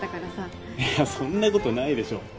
いやそんなことないでしょ。